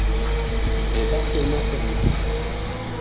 Elle est partiellement fermée.